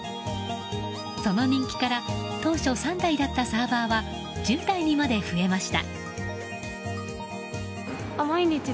その人気から当初３台だったサーバーは１０台にまで増えました。